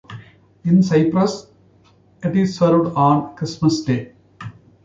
In Cyprus, it is served on Christmas Day.